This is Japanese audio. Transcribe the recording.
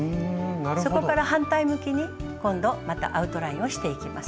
そこから反対向きに今度またアウトラインをしていきます。